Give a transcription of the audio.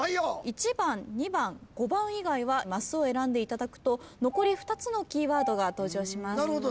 １番２番５番以外はマスを選んでいただくと残り２つのキーワードが登場します。